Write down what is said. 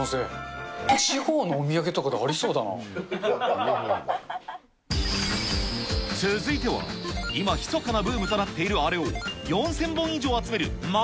地方のお土産とかであ続いては、今、ひそかなブームとなっているあれを、４０００本以上集めるま